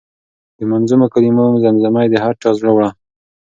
د منظومو کلمو زمزمه یې د هر چا زړه وړه.